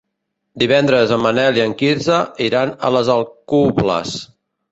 Divendres en Manel i en Quirze iran a les Alcubles.